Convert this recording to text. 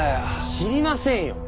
知りませんよ！